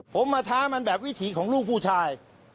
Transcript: ผมมาท้ามันแบบวิถีของลูกผู้ชาย